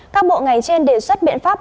các bộ ngành trên đề xuất biện pháp